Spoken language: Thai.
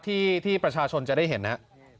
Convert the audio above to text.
ที่ประชาชนจะได้เห็นนะครับ